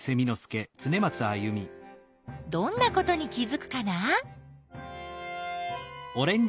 どんなことに気づくかな？